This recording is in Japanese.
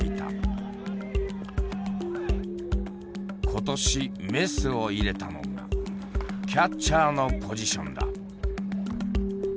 今年メスを入れたのがキャッチャーのポジションだ。